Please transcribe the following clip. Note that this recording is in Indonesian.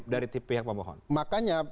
dari pihak pemohon makanya